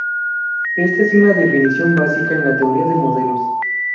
Esta es una definición básica en la teoría de modelos.